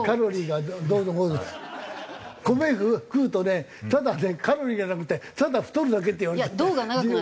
米食うとねただカロリーがなくてただ太るだけって言われて。